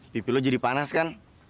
pipi lu jadi panas kan